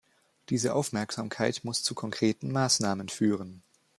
Diese Aufmerksamkeit muss zu konkreten Maßnahmen führen.